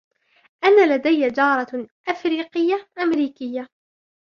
أنا لدي جارة أفريقية-أمريكية.